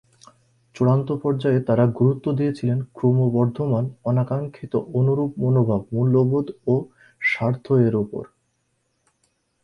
চূড়ান্ত পর্যায়ে তারা গুরুত্ব দিয়েছিলেন ক্রমবর্ধমান আকাঙ্ক্ষিত অনুরূপ মনোভাব, মূল্যবোধ ও স্বার্থ এর ওপর।